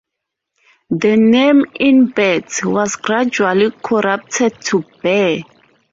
The name "Imbert" was gradually corrupted to "Bear".